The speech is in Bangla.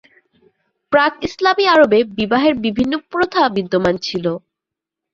প্রাক-ইসলামী আরবে, বিবাহের বিভিন্ন প্রথা বিদ্যমান ছিল।